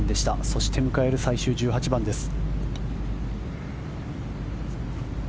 そして迎える最終１８番です。